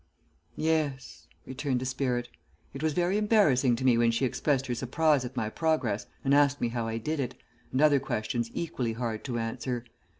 "Yes," returned the spirit. "It was very embarrassing to me when she expressed her surprise at my progress, and asked me how I did it, and other questions equally hard to answer.